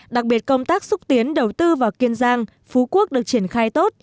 đặc biệt công tác xúc tiến đầu tư vào kiên giang phú quốc được triển khai tốt